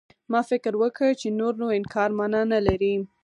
ما فکر وکړ چې نور نو انکار مانا نه لري.